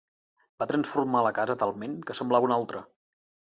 Va transformar la casa talment que semblava una altra.